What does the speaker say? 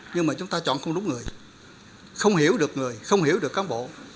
nhưng mà chúng ta chọn không đúng người không hiểu được người không hiểu được cán bộ